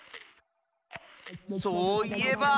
そういえば。